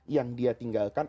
yang dia tinggalkan